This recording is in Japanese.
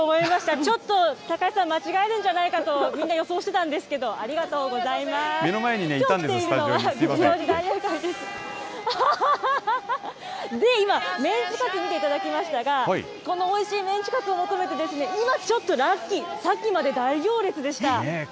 ちょっと高瀬さん、間違えるんじゃないかとみんな、予想してたんですけど、ありがと目の前にね、いたんです、スで、今、メンチカツ見ていただきましたが、このおいしいメンチカツを求めてですね、今ちょっと、ラッキー、さっきまで大行列でした。